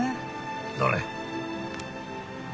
どれ？